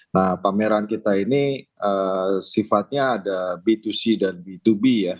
nah pameran kita ini sifatnya ada b dua c dan b dua b ya